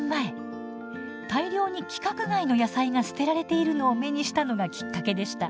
大量に規格外の野菜が捨てられているのを目にしたのがきっかけでした。